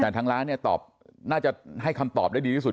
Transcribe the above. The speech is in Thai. แต่ทางร้านเนี่ยตอบน่าจะให้คำตอบได้ดีที่สุด